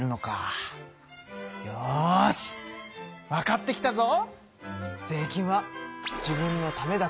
よしわかってきたぞ！